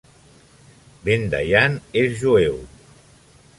Ben Dayan és jueu.